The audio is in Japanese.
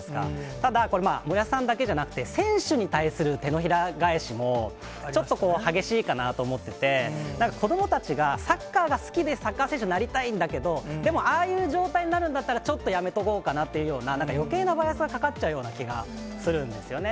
ただ、森保さんだけじゃなくて、選手に対する手のひら返しも、ちょっと激しいかなと思ってて、子どもたちがサッカーが好きで、サッカー選手になりたいんだけど、でもああいう状態になるんだったら、ちょっとやめとこうかなというような、なんか、よけいなバイアスがかかっちゃうような気がするんですよね。